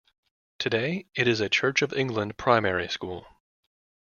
Today it is a Church of England primary school.